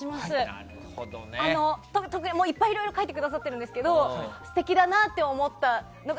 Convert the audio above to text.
いっぱい、いろいろ書いてくださってるんですけどすてきだなと思ったのが。